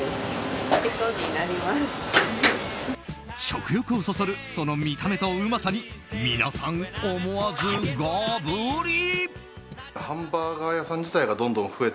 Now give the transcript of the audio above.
食欲をそそるその見た目とうまさに皆さん、思わずガブリ。